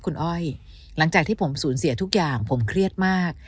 คุณอ้อยหลังจากที่ผมสูญเสียทุกอย่างผมเครียดมาก